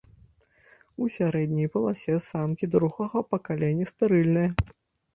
У сярэдняй паласе самкі другога пакалення стэрыльныя.